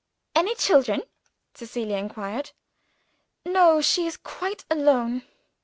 "Any children?" Cecilia inquired. "No; she is quite alone.